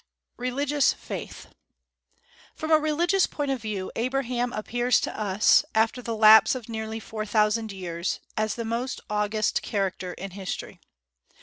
RELIGIOUS FAITH. From a religious point of view, Abraham appears to us, after the lapse of nearly four thousand years, as the most august character in history.